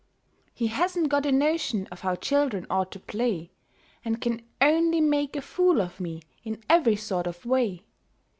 He hasn't got a notion of how children ought to play, And can only make a fool of me in every sort of way.